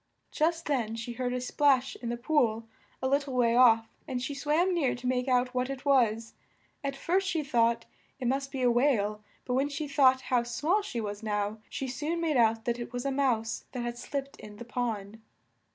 Just then she heard a splash in the pool a lit tle way off, and she swam near to make out what it was; at first she thought it must be a whale, but when she thought how small she was now, she soon made out that it was a mouse that had slipped in the pond.